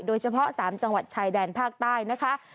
โดยเฉพาะ๓จังหวัดชายแดนภาคใต้นะคะ